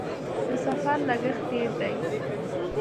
د سفر لګښت ډیر دی؟